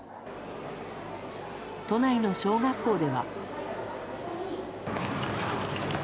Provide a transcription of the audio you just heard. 都内の小学校では。